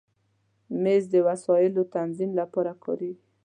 مېز د وسایلو تنظیم لپاره کارېږي.